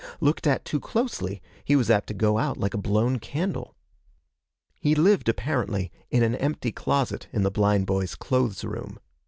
Looked at too closely, he was apt to go out like a blown candle. He lived apparently in an empty closet in the blind boys' clothes room.